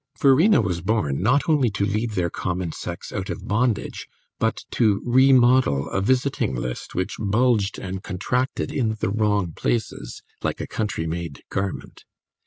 Verena was born not only to lead their common sex out of bondage, but to remodel a visiting list which bulged and contracted in the wrong places, like a country made garment.